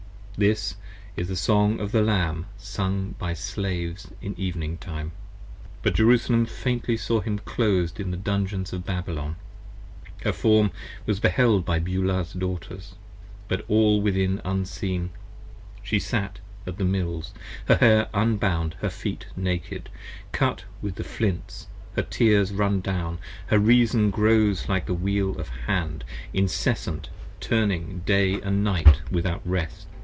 This is the Song of the Lamb, sung by Slaves in evening time. But Jerusalem faintly saw him, clos'd in the Dungeons of Babylon. 40 Her Form was held by Beulah's Daughters, but all within unseen She sat at the Mills, her hair unbound, her feet naked, Cut with the flints ; her tears run down, her reason grows like The Wheel of Hand, incessant turning day & night without rest.